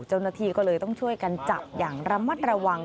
เจ้าหน้าที่ก็เลยต้องช่วยกันจับอย่างระมัดระวัง